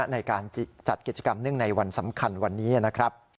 ในการจัดกิจกรรมเนื่องในวันสำคัญวันนี้นะครับ